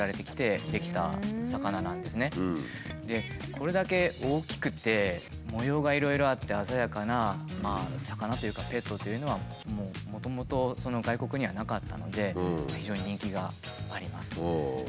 これだけ大きくて模様がいろいろあって鮮やかな魚というかペットというのはもともとそんな外国にはなかったので非常に人気があります。